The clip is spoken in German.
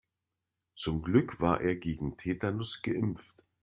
Zum Glück war er gegen Tetanus geimpft.